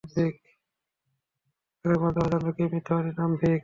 আগামীকাল তারা জানবে, কে মিথ্যাবাদী, দাম্ভিক।